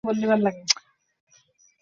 তিনি খলিফার সিদ্ধান্তে রুখে দাঁড়ান না।